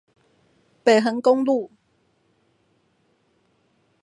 北橫公路